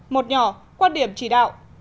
một nhỏ quan điểm chỉ đạo